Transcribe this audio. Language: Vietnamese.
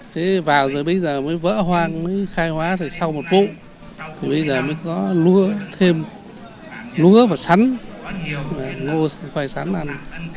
thế vào rồi bây giờ mới vỡ hoang mới khai hóa rồi sau một vụ thì bây giờ mới có lúa thêm lúa và sắn phải mua khoai sắn ăn